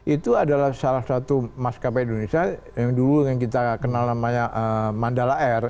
itu adalah salah satu maskapai indonesia yang dulu yang kita kenal namanya mandala air